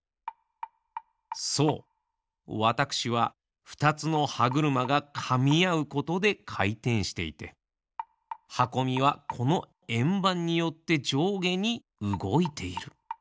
そうわたくしはふたつの歯車がかみあうことでかいてんしていてはこみはこのえんばんによってじょうげにうごいている。